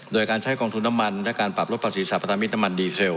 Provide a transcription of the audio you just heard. โดยการใช้กองทุนน้ำมันและการปรับลดภาษีสรรพสามิตรน้ำมันดีเซล